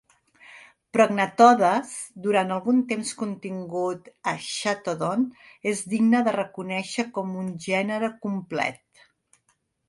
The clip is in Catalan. "Prognathodes", durant algun temps contingut a "Chaetodon", és digne de reconèixer com un gènere complet.